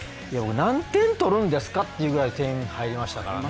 何点取るんですかってぐらい点入りましたからね。